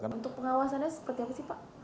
bentuk pengawasannya seperti apa sih pak